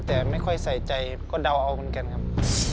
แต่ไม่ค่อยใส่ใจก็เดาเอาเหมือนกันครับ